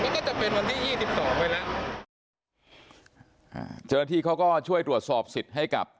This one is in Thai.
ก็จะเป็นวันที่ยี่สิบสองไปแล้วอ่าเจ้าหน้าที่เขาก็ช่วยตรวจสอบสิทธิ์ให้กับ